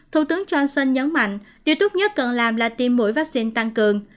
thủ tướng johnson nhấn mạnh điều tốt nhất cần làm là tiêm mũi vaccine tăng cường